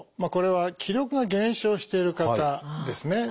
これは気力が減少している方ですね。